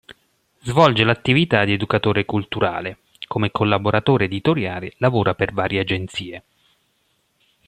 Svolge l'attività di educatore culturale; come collaboratore editoriale lavora per varie agenzie.